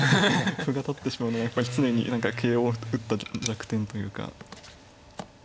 歩が立ってしまうのはやっぱり常に桂を打った弱点というか。